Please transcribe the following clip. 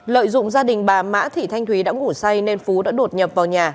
lợi dụng gia đình bà mã thị thanh thúy đã ngủ say nên phú đã đột nhập vào nhà